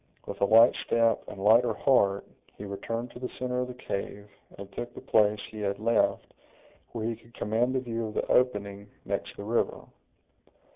With a light step and lighter heart, he returned to the center of the cave, and took the place he had left, where he could command a view of the opening next the river.